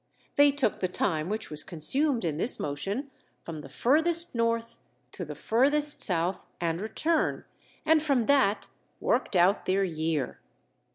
They took the time which was consumed in this motion from the furthest north to the furthest south and return, and from that worked out their year.